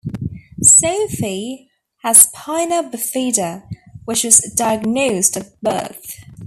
Sophie has spina bifida, which was diagnosed at birth.